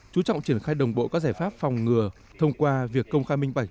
chú trọng triển khai đồng bộ các giải pháp phòng ngừa thông qua việc công khai minh bạch